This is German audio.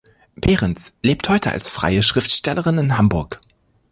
Behrens lebt heute als freie Schriftstellerin in Hamburg.